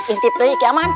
inti pria ki aman